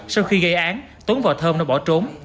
sau khi gây án tuấn và thơm đã bỏ trốn